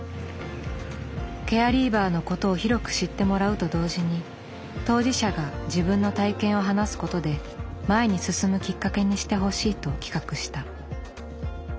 ケアリーバーのことを広く知ってもらうと同時に当事者が自分の体験を話すことで前に進むきっかけにしてほしいと企画した。